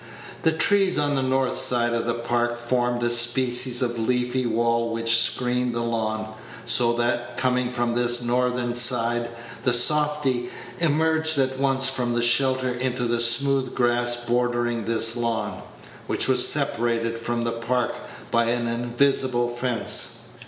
The trees on the north side of the Park formed a species of leafy wall which screened the lawn, so that, coming from this northern side, the softy emerged at once from the shelter into the smooth grass bordering this lawn, which was separated from the Park by an invisible fence.